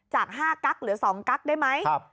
จากห้ากั๊กหรือสองกั๊กได้ไหม